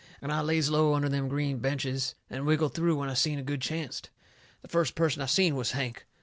And I lays low under them green benches and wiggled through when I seen a good chancet. The first person I seen was Hank.